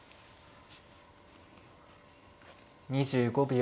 ２５秒。